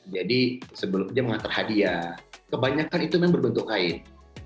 jadi sebelumnya menghantar hadiah kebanyakan itu berbentuk kain